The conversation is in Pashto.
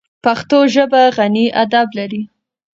پښتو ژبه غني ادب لري.